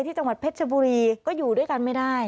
จังหวัดเพชรชบุรีก็อยู่ด้วยกันไม่ได้